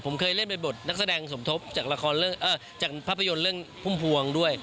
ผมเคยเล่นเป็นบทนักแสดงสมทบจากละครจากภาพยนตร์เรื่องพุ่มพวงด้วย